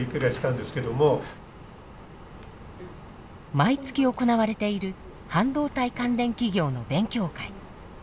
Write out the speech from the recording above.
毎月行われている半導体関連企業の勉強会。